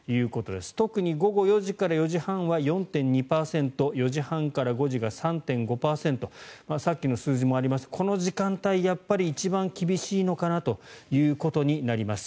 特に午後４時から４時半は４．２％４時半から５時が３．５％さっきの数字もありましてこの時間帯やっぱり一番厳しいのかなということになります。